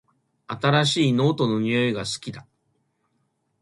新しいノートの匂いが好きだ